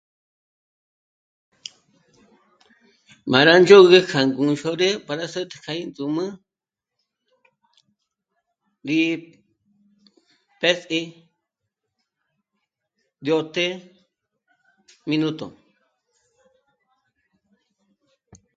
M'a rá ndzhôgü kja ngú ndzhôd'ü para sä́t'ä kja índzǔmü rí pë́pji yó té' minuto